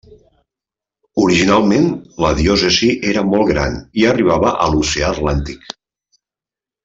Originalment, la diòcesi era molt gran i arribava a l'oceà Atlàntic.